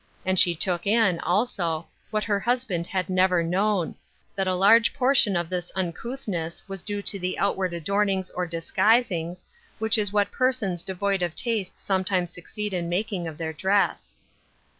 And she took in, also, what her My Daughters, 801 husband had never known — that a large por tion of this uncouthness was due to the outward adornings or disguisings, which is what persons devoid of taste sometimes succeed in making of their dress.